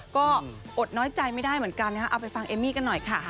ก็อดน้อยใจไม่ได้เหมือนกันนะคะเอาไปฟังเอมมี่กันหน่อยค่ะ